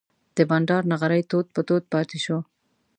د بانډار نغری تود پر تود پاتې شو.